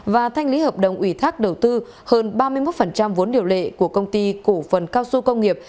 và thanh lý hợp đồng ủy thác đầu tư hơn ba mươi một vốn điều lệ của công ty cổ phần cao su công nghiệp